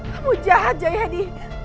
kamu jahat jayadi